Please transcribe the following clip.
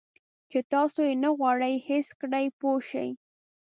چې تاسو یې نه غواړئ حس کړئ پوه شوې!.